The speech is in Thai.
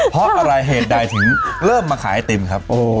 เพราะอะไรเหตุใดถึงเริ่มมาขายไอติมครับ